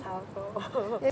sekarang masih aktif